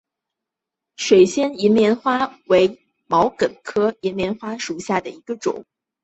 水仙银莲花为毛茛科银莲花属下的一个种。